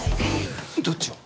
どっちを？